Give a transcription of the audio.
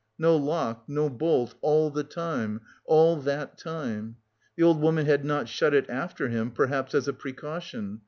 No lock, no bolt, all the time, all that time! The old woman had not shut it after him perhaps as a precaution.